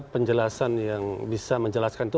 penjelasan yang bisa menjelaskan itu